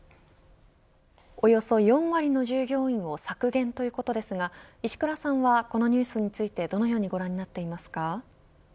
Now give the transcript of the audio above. およそ４割の従業員を削減ということですが石倉さんはこのニュースについてどのようにご覧になっていますか。